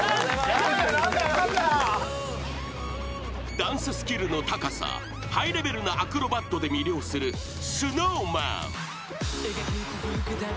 ［ダンススキルの高さハイレベルなアクロバットで魅了するＳｎｏｗＭａｎ］